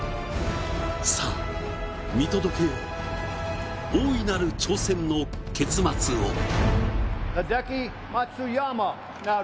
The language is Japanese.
さあ、見届けよう、大いなる挑戦の結末を。